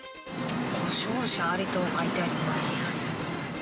故障車有りと書いてあります。